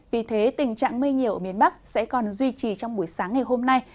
vì thế tình trạng mây nhiều ở miền bắc sẽ còn duy trì trong buổi sáng ngày hôm nay